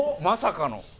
まさかの。